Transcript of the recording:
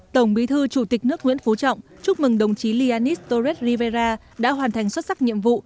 tổng bí thư chủ tịch nước nguyễn phú trọng chúc mừng đồng chí lianis torres rivera đã hoàn thành xuất sắc nhiệm vụ